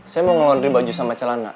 saya mau ngelaundry baju sama celana